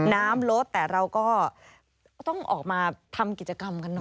น้ำลดแต่เราก็ต้องออกมาทำกิจกรรมกันหน่อย